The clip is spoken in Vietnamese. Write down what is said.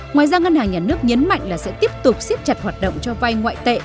ngoài ra ngân hàng nhà nước nhấn mạnh là sẽ tiếp tục siết chặt hoạt động cho vay ngoại tệ